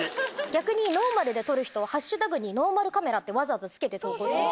逆にノーマルで撮る人はハッシュタグにノーマルカメラってわざわざ付けて投稿する。